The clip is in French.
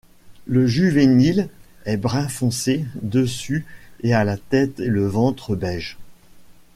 Le juvénile est brun foncé dessus et a la tête et le ventre beige.